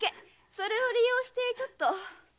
それを利用してちょっと。